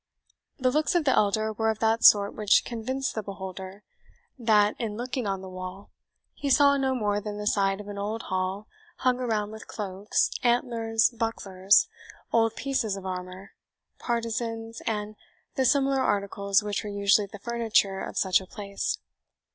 The looks of the elder were of that sort which convinced the beholder that, in looking on the wall, he saw no more than the side of an old hall hung around with cloaks, antlers, bucklers, old pieces of armour, partisans, and the similar articles which were usually the furniture of such a place.